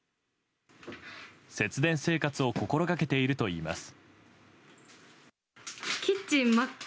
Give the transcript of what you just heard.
節電生活を心がけているといいます。